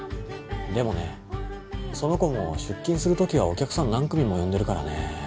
でもねその子も出勤するときはお客さん何組も呼んでるからね。